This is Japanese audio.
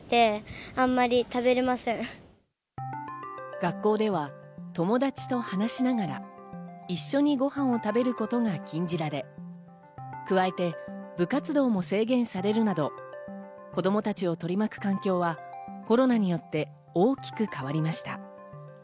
学校では友達と話しながら一緒にごはんを食べることが禁じられ、加えて部活動も制限されるなど、子供たちを取り巻く環境はコロナによって大きく変わりました。